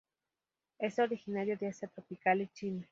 Es originario de Asia tropical y China.